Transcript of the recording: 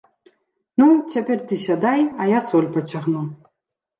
Ну, цяпер ты сядай, а я соль пацягну.